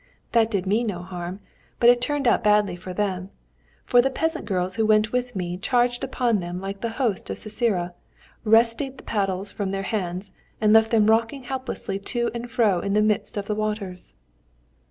That did me no harm, but it turned out badly for them, for the peasant girls who went with me charged upon them like the host of Sisera, wrested the paddles from their hands, and left them rocking helplessly to and fro in the midst of the waters."